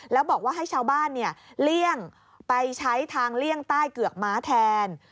แล้วบอกว่าให้ชาวบ้านเลี่ยงไปใช้ทางเลี่ยงใต้เกือกม้าแทน